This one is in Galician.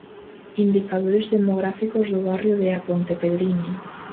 Indicadores demográficos do barrio de A Pontepedriña.